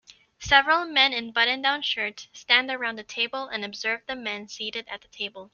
Several men in buttondown shirts stand around a table and observe the men seated at the table.